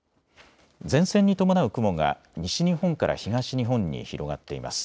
前線に伴う雲が西日本から東日本に広がっています。